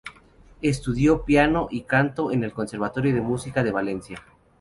Estudió, piano y canto en el Conservatorio de Música de Valencia.